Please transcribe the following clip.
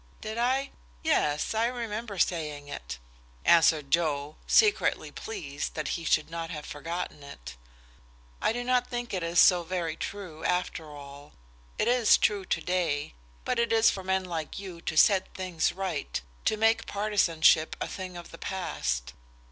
"Did I? Yes, I remember saying it," answered Joe, secretly pleased that he should not have forgotten it. "I do not think it is so very true, after all. It is true to day; but it is for men like you to set things right, to make partisanship a thing of the past.